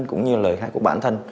cũng như lời khai của bản thân